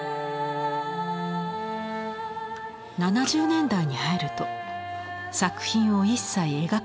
７０年代に入ると作品を一切描かなくなります。